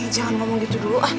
jangan berkata begitu dulu